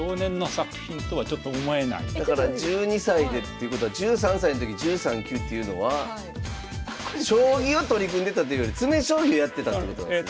１２歳でっていうことは１３歳の時１３級っていうのは将棋を取り組んでたというより詰将棋をやってたってことなんですね。